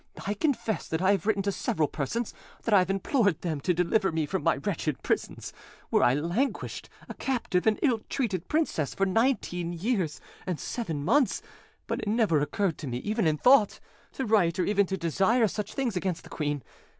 I confess that I have written to several persons, that I have implored them to deliver me from my wretched prisons, where I languished, a captive and ill treated princess, for nineteen years and seven months; but it never occurred to me, even in thought, to write or even to desire such things against the queen.